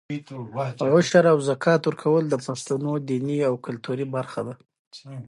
عشر او زکات ورکول د پښتنو دیني او کلتوري برخه ده.